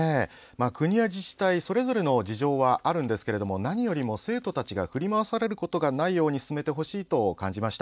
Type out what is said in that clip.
国や自治体それぞれの事情はあるんですけども何よりも生徒たちが振り回されることがないように進めてほしいと感じました。